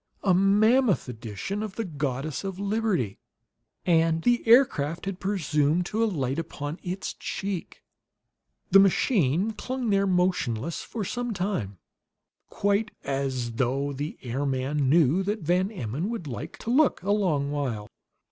A mammoth edition of the Goddess of Liberty; and the aircraft had presumed to alight upon its cheek! The machine clung there, motionless, for some time, quite as though the airman knew that Van Emmon would like to look a long while.